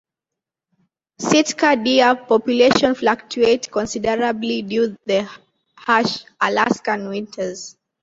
Sitka deer population fluctuate considerably due the harsh Alaskan winters.